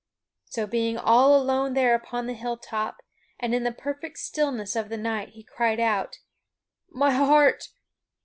So being all alone there upon the hilltop, and in the perfect stillness of the night, he cried out, "My heart!